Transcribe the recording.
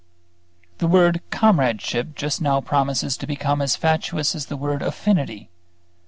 The word comradeship just now promises to become as fatuous as the word "affinity."